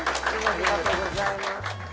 ありがとうございます。